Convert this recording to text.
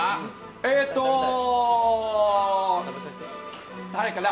えーと誰かな。